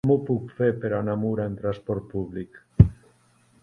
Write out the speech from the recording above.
Com ho puc fer per anar a Mura amb trasport públic?